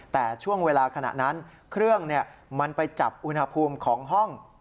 แต่ช่วงเวลาขณะนั้นเครื่องมันไปจับอุณหภูมิของห้อง